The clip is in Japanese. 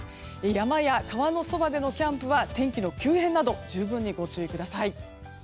山や川のそばでのキャンプは天気の急変など十分にご注意ください。